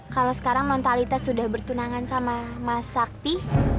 kalau sekarang mentalitas sudah bertunangan sama mas sakti